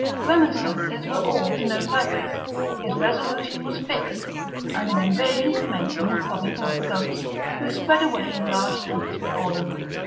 Remonstrances were all to no purpose; his resolution was fixed, and an invasion commenced on the province of the goats, who sped away in large troops before them.